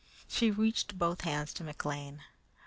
She reached both hands to McLean.